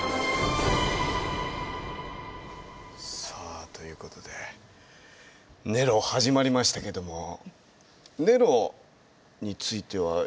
さあという事でネロ始まりましたけどもネロについては。